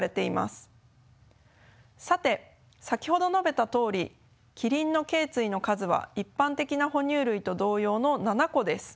さて先ほど述べたとおりキリンのけい椎の数は一般的な哺乳類と同様の７個です。